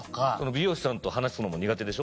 美容師さんと話すのも苦手でしょ。